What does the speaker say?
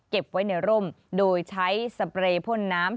ไว้ในร่มโดยใช้สเปรย์พ่นน้ำ